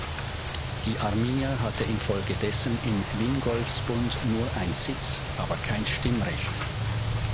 Die Arminia hatte infolgedessen im Wingolfsbund nur ein Sitz-, aber kein Stimmrecht.